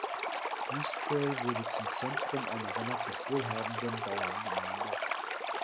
Goostrey wurde zum Zentrum einer relativ wohlhabenden Bauerngemeinde.